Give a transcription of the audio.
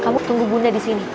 kamu tunggu bunda di sini